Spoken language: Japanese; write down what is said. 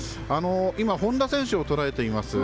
今、本多選手を捉えています。